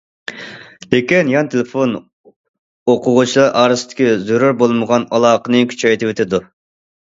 لېكىن يان تېلېفون ئوقۇغۇچىلار ئارىسىدىكى زۆرۈر بولمىغان ئالاقىنى كۈچەيتىۋېتىدۇ.